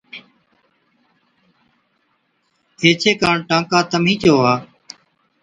ايڇي ڪاڻ ٽانڪا تمهِين چووا۔